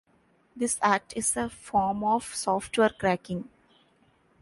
This act is a form of software cracking.